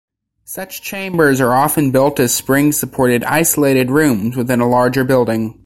Such chambers are often built as spring supported isolated rooms within a larger building.